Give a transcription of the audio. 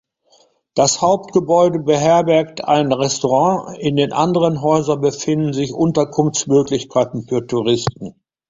Das Hauptgebäude beherbergt ein Restaurant, in den anderen Häusern befinden sich Unterkunftsmöglichkeiten für Touristen.